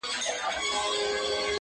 څومره ښکلې دي کږه توره مشوکه،